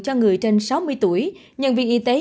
cho người trên sáu mươi tuổi nhân viên y tế